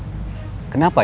sudah tiga bulan ya